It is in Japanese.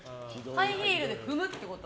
ハイヒールで踏むってこと？